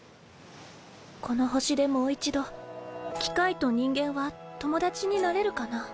この星でもう一度機械と人間は友達になれるかなぁ。